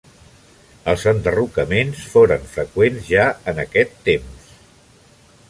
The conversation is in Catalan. Els enderrocaments foren freqüents ja en aquest temps.